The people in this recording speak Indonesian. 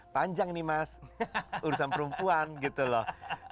panjang nih mas urusan perempuan gitu loh